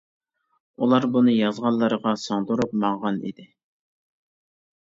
ئۇلار بۇنى يازغانلىرىغا سىڭدۈرۈپ ماڭغان ئىدى.